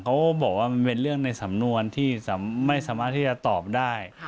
เขาบอกว่ามันเป็นเรื่องในสำนวนที่ไม่สามารถที่จะตอบได้